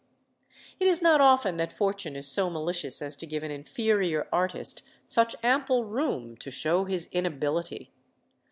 It is not often that Fortune is so malicious as to give an inferior artist such ample room to show his inability.